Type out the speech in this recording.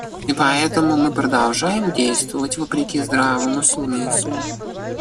И поэтому мы продолжаем действовать вопреки здравому смыслу.